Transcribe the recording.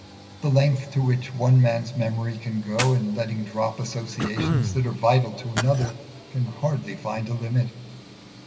The length to which one man's memory can go in letting drop associations that are vital to another can hardly find a limit.